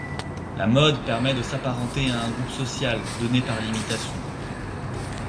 La mode permet de s’apparenter à un groupe social donné par l’imitation.